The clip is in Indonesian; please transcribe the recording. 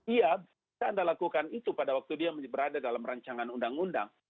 iya bisa anda lakukan itu pada waktu dia berada dalam rancangan undang undang